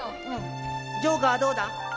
城下はどうだ？